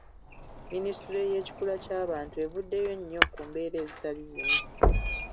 Minisitule y’ekikula ky’abantu avuddeyo nnyo ku mbeera ezitali zimu.